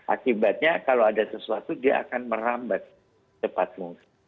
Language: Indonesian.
akibatnya kalau ada sesuatu dia akan merambat cepat mungkin